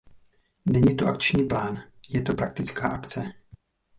Není to akční plán; je to praktická akce.